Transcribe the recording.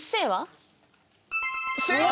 正解！